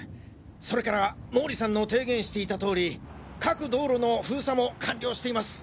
それから毛利さんの提言していたとおり各道路の封鎖も完了しています。